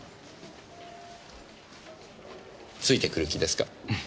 ついてくる気ですか？